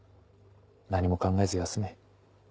何も考えず休め。